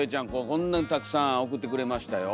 こんなにたくさん送ってくれましたよ。